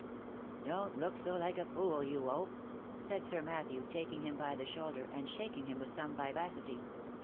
" Don't look so like a fool, you oaf/' said Sir Matthew, taking him by the shoulder, and shaking him with some vivacity.